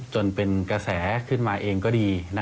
จนเป็นกระแสขึ้นมาเองก็ดี